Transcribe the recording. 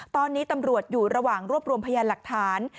ตอนนี้ตำรวจอยู่ระหว่างรวบรวมพยานหลักฐาน